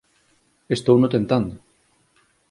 Estouno tentando.